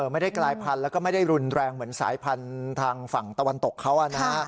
ไม่ได้กลายพันธุ์แล้วก็ไม่ได้รุนแรงเหมือนสายพันธุ์ทางฝั่งตะวันตกเขา